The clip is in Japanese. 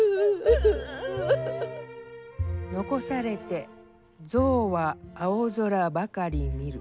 「遺されて象は青空ばかり見る」。